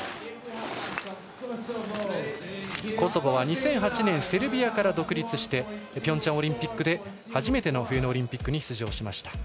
コソボは２００８年セルビアから独立してピョンチャンオリンピックで初めて冬のオリンピック出場。